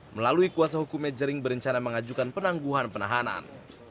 melalui kuasa hukumnya jering berencana mengajukan penangguhan penahanan